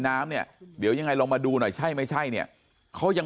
น้ำเนี่ยเดี๋ยวยังไงลองมาดูหน่อยใช่ไม่ใช่เนี่ยเขายัง